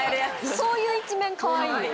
・そういう一面かわいい！